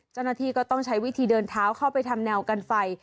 เจ้าหน้าที่ก็ต้องใช้วิธีเดินเท้าเข้าไปทำแนวกันไฟ